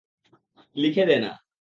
লিখে দে না।